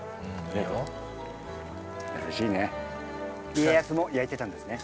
家康も焼いてたんですね。